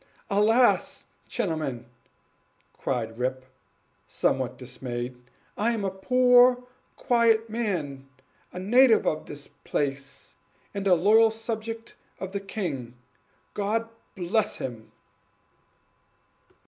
"Alas! gentlemen," cried Rip, somewhat dismayed, "I am a poor quiet man, a native of the place, and a loyal subject of the king, God bless him!"